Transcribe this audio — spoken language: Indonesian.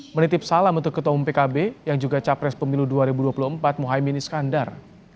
menitip salam untuk ketua umum pkb yang juga capres pemilu dua ribu dua puluh empat mohaimin iskandar